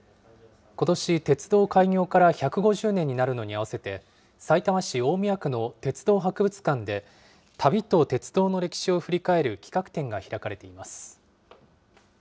ことし、鉄道開業から１５０年になるのに合わせて、さいたま市大宮区の鉄道博物館で、旅と鉄道の歴史を振り返る企画展が開かれています。